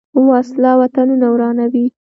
وسله وطنونه ورانوي